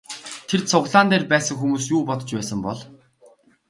Тэр цуглаан дээр байсан хүмүүс юу бодож байсан бол?